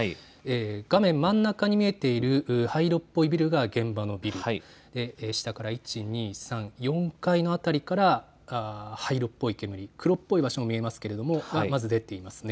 画面真ん中に見えている灰色っぽいビルが現場のビル、下から４階の辺りから、灰色っぽい煙、黒っぽい場所も見えますけれども出ていますね。